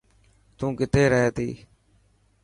تو ڪٿي رهي ٿي.